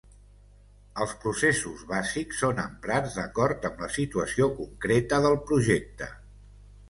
Els processos bàsics són emprats d'acord amb la situació concreta del projecte.